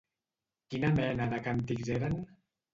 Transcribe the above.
Quina mena de càntics eren?